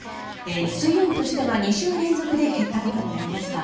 水曜日としては２週連続で減ったことになりました。